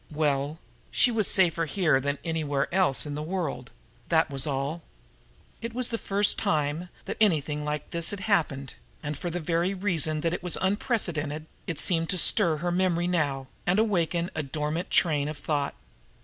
Well, she was safer here than anywhere else in the world, that was all. It was the first time that anything like this had happened, and, for the very reason that it was unprecedented, it seemed to stir her memory now, and awaken a dormant train of thought.